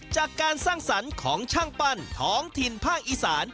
จากการสร้างสรรค์ของช่างปั้นท้องถิ่นภาคอีสาน